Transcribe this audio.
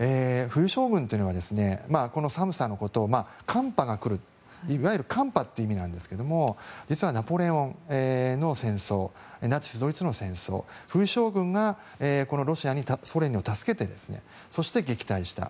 冬将軍というのはこの寒さのことを寒波が来る、いわゆる寒波という意味なんですが実はナポレオンの戦争ナチス・ドイツの戦争冬将軍がこのロシア、ソ連を助けてそして、撃退した。